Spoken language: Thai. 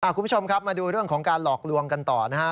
คุณผู้ชมครับมาดูเรื่องของการหลอกลวงกันต่อนะฮะ